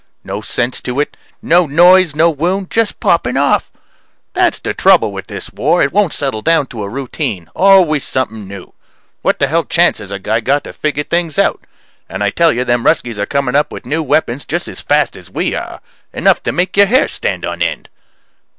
No sense to it. No noise. No wound. Just popping off. That's the trouble with this war. It won't settle down to a routine. Always something new. What the hell chance has a guy got to figure things out? And I tell you them Ruskies are coming up with new weapons just as fast as we are. Enough to make your hair stand on end.